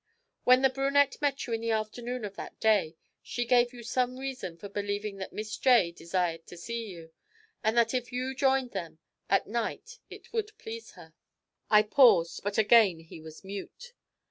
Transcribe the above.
'When the brunette met you in the afternoon of that day, she gave you some reason for believing that Miss J. desired to see you, and that if you joined them that night it would please her.' I paused, but again he was mute.